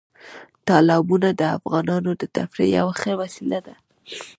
تالابونه د افغانانو د تفریح یوه ښه وسیله ده.